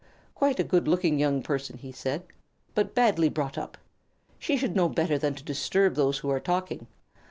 "Quite a good looking young person," he said, "but badly brought up. She should know better than to disturb those who are talking.